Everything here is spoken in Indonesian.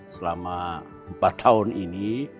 selama empat tahun ini